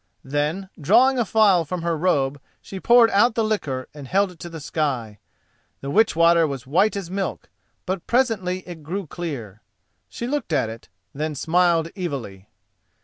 Then drawing a phial from her robe she poured out the liquor and held it to the sky. The witch water was white as milk, but presently it grew clear. She looked at it, then smiled evilly.